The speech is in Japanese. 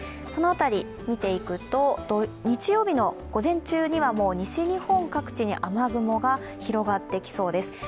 その辺り見ていくと、日曜日の午前中には西日本各地に雨雲が広がってきそうです。